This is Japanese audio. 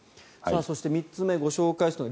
そして３つ目ご紹介します。